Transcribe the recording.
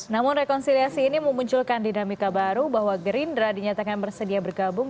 namun rekonsiliasi ini memunculkan dinamika baru bahwa gerindra dinyatakan bersedia bergabung